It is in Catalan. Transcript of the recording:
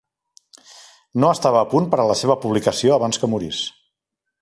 No estava a punt per a la seva publicació abans que morís.